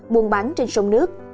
buôn bán trên sông nước